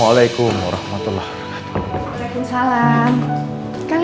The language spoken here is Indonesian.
kalian udah pulang